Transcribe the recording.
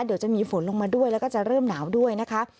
เดี๋ยวจะมีฝนลงมาด้วยแล้วก็จะเริ่มหนาวด้วยนะคะ